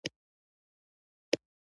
موټر له خلکو سره ازادي برابروي.